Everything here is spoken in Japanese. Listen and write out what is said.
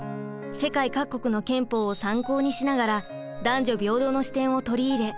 世界各国の憲法を参考にしながら男女平等の視点を取り入れ